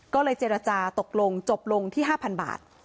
ก็เลยเจรจาตกลงจบลงที่๕๐๐บาท